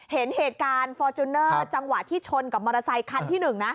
เห็นเหตุการณ์ฟอร์จูเนอร์จังหวะที่ชนกับมอเตอร์ไซคันที่๑นะ